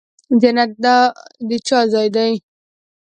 جنت د چا ځای دی؟